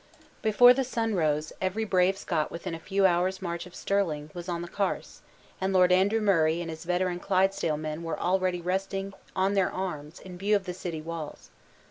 Before the sun rose, every brave Scot within a few hours' march of Stirling, was on the Carse; and Lord Andrew Murray and his veteran Clydesdale men were already resting on their arms in view of the city walls.